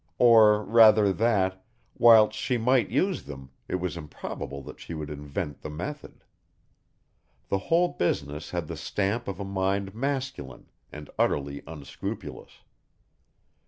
Or rather that, whilst she might use them, it was improbable that she would invent the method. The whole business had the stamp of a mind masculine and utterly unscrupulous.